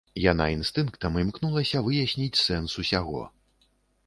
Яна інстынктам імкнулася выясніць сэнс усяго.